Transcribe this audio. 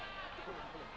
ada satu lagi